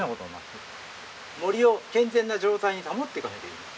森を健全な状態に保っていかなきゃいけない。